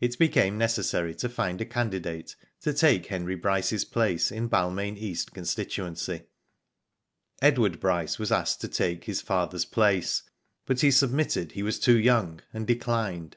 It became necessary to find a candidate to take Henry Bryce's place in Balmain East constituency. Edward Bryce was asked to take his father's place, but he submitted he was too young, and declined.